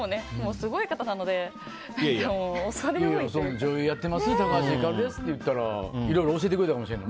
すごい方なので女優やってます高橋ひかるですって言ったらいろいろ教えてくれたかもしれない。